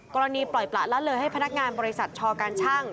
ปล่อยประละเลยให้พนักงานบริษัทชอการชั่ง